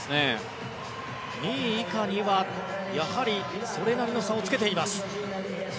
２位以下にはそれなりの差をつけています。